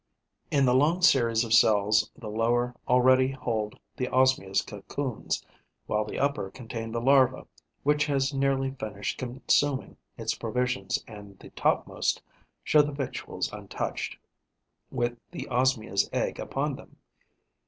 In the long series of cells, the lower already hold the Osmia's cocoons, while the upper contain the larva which has nearly finished consuming its provisions and the topmost show the victuals untouched, with the Osmia's egg upon them.